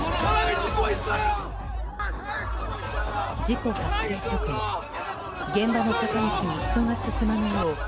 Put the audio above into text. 事故発生直後現場の坂道に人が進まぬよう